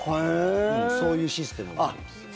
そういうシステムがあるんです。